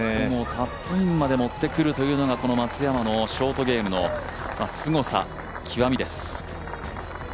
カップインまでもってくるというのがこの松山のショートゲームのすごさ、極みです。